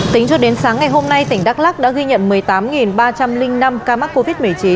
tính cho đến sáng ngày hôm nay tỉnh đắk lắc đã ghi nhận một mươi tám ba trăm linh năm ca mắc covid một mươi chín